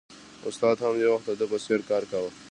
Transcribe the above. استاد هم یو وخت د ده په څېر کار کاوه